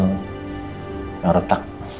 anda ngerti ak anak maaf at